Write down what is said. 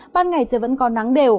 ban ngày trời vẫn còn nắng đều